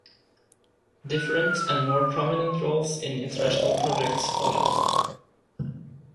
Different and more prominent roles in international projects followed.